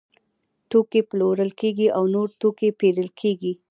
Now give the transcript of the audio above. توکي پلورل کیږي او نور توکي پیرل کیږي.